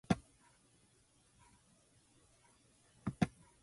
A team trying to kill a penalty may legally "ice the puck".